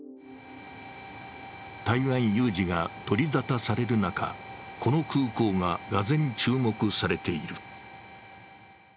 台湾有事が取り沙汰される中、この空港ががぜん注目されている。